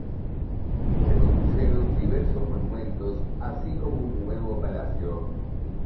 Se construyeron diversos monumentos así como un nuevo palacio.